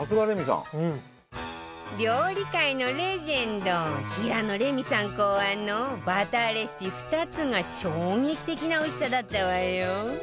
料理界のレジェンド平野レミさん考案のバターレシピ２つが衝撃的なおいしさだったわよ